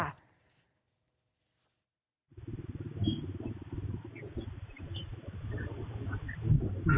ไม่มีไม่มี